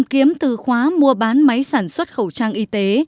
tìm kiếm từ khóa mua bán máy sản xuất khẩu trang y tế